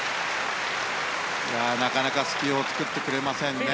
なかなか隙を作ってくれませんね。